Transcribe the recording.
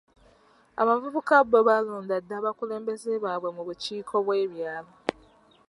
Abavubuka bo baalonda dda abakulembeze baabwe ku bukiiko bw'ebyalo.